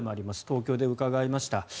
東京で伺いました。